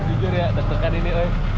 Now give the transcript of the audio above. ujur ya detekan ini